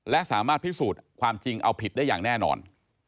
และสามารถพิสูจน์ความจริงเอาผิดได้อย่างแน่นอน